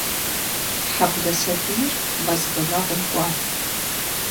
Хьэблэ сабийр мэз гъунэгъум кӀуат.